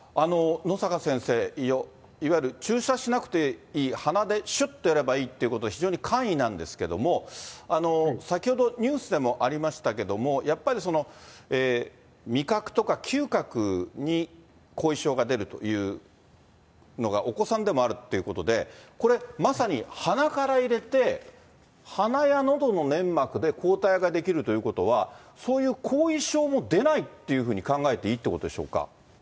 野阪先生、いわゆる注射しなくていい、鼻でしゅっとやればいいということで、非常に簡易なんですけれども、先ほどニュースでもありましたけども、やっぱり味覚とか嗅覚に後遺症が出るというのがお子さんでもあるっていうことで、これ、まさに鼻から入れて、鼻やのどの粘膜で抗体が出来るということは、そういう後遺症も出ないっていうふうに考えていいってことでしょうか。